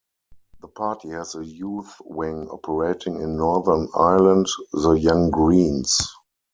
The party has a youth wing operating in Northern Ireland, the Young Greens.